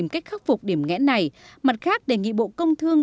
cách khắc phục điểm nghẽn này mặt khác đề nghị bộ công thương